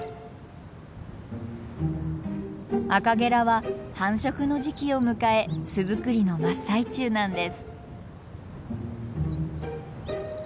アカゲラは繁殖の時期を迎え巣づくりの真っ最中なんです。